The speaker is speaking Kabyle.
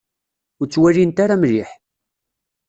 Ur ttwalint ara mliḥ.